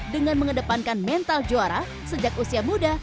dengan mengedepankan mental juara sejak usia muda